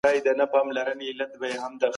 خو موږ ټول باید روان سو